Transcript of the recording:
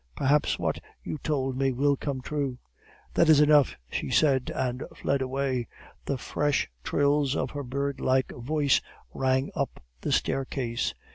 Perhaps what you told me will come true.' "'That is enough,' she said, and fled away; the fresh trills of her birdlike voice rang up the staircase.